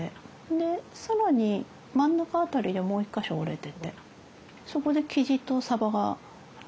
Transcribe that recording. で更に真ん中辺りでもう一か所折れててそこでキジとサバに切り替わるんです。